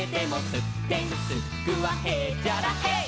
「すってんすっくはへっちゃらへい！」